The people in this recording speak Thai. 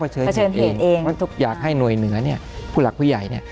เพราะอยากให้หน่วยเหนือผู้หลักผู้ใหญ่